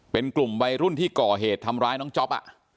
เป็นกลุ่มวัยรุ่นที่ก่อเหตุทำร้ายน้องจ๊อป